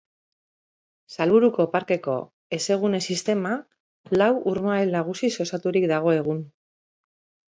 Salburuko parkeko hezegune-sistema lau urmael nagusiz osaturik dago egun.